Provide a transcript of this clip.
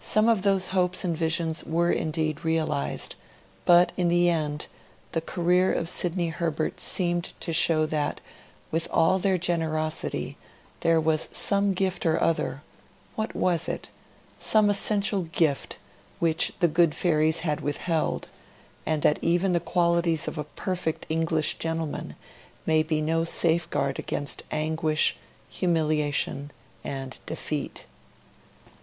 Some of those hopes and visions were, indeed, realised; but, in the end, the career of Sidney Herbert seemed to show that, with all their generosity, there was some gift or other what was it? some essential gift which the good fairies had withheld, and that even the qualities of a perfect English gentleman may be no safeguard against anguish, humiliation, and defeat.